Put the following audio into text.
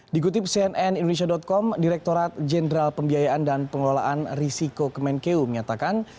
dikutip cnn indonesia com direkturat jenderal pembiayaan dan pengelolaan risiko kemenkeu menyatakan